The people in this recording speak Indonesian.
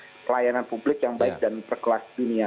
jadi itu kepentingan pelayanan publik yang baik dan berkeluar dunia